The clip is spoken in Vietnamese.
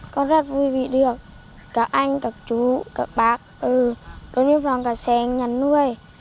con rất vui vì được cả anh cả chú cả bác đối với phòng cả xe anh nhắn nuôi